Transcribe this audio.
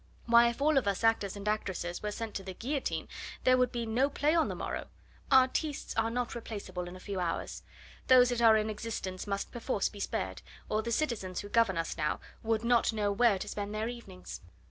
Why, if all of us actors and actresses were sent to the guillotine there would be no play on the morrow. Artistes are not replaceable in a few hours; those that are in existence must perforce be spared, or the citizens who govern us now would not know where to spend their evenings."